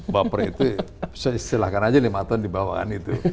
baper itu saya istilahkan aja nih mataun dibawakan itu